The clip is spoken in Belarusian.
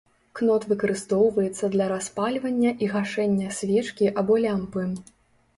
Кнот выкарыстоўваецца для распальвання і гашэння свечкі або лямпы.